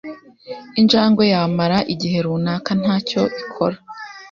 injangwe yamara igihe runaka nta cyo ikora